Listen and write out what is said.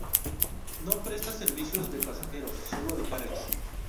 No presta servicios de pasajeros, solo de cargas.